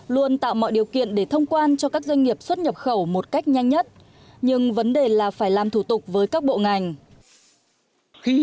luôn tạo mọi điều kiện để thông quan cho các doanh nghiệp xuất nhập khẩu một cách nhanh nhất nhưng vấn đề là phải làm thủ tục với các bộ ngành